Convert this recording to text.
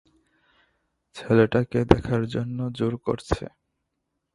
ছেলেটাকে দেখার জন্য জোর করছে।